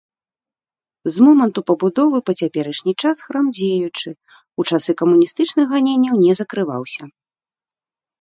З моманту пабудовы па цяперашні час храм дзеючы, у часы камуністычных ганенняў не закрываўся.